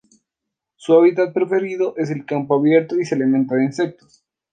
Su hábitat preferido es el campo abierto, y se alimentan de insectos.